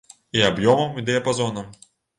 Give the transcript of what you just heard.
І аб'ёмам і дыяпазонам.